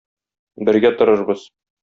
Бергә торырбыз.